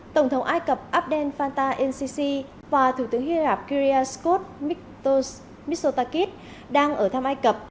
tổng thống ai cập abdel fattah el sisi và thủ tướng hy lạp kyria scott mitsotakis đang ở thăm ai cập